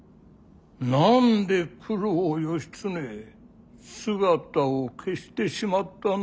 何で九郎義経姿を消してしまったのかの。